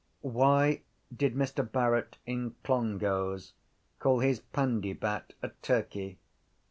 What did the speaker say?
Why did Mr Barrett in Clongowes call his pandybat a turkey?